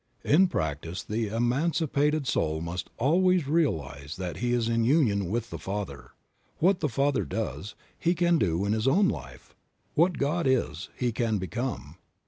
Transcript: TN practice the emancipated soul must always realize that he is in union with the Father; what the Father does, he can do in his own life; what God is, he can become.